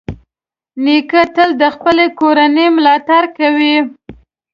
نیکه تل د خپلې کورنۍ ملاتړ کوي.